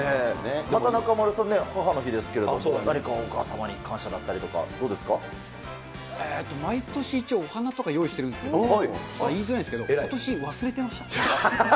中丸さん、母の日ですけれども、えっと、毎年一応お花とか用意してるんですけど、言いづらいんですけど、ことし忘れてました。